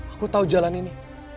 aku tau jalan ini